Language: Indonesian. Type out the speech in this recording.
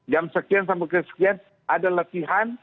jam sekian sampai ke sekian ada latihan